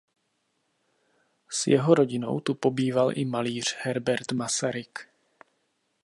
S jeho rodinou tu pobýval i malíř Herbert Masaryk.